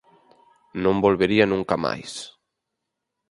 Non volvería nunca máis.